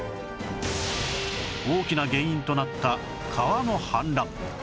大きな原因となった川の氾濫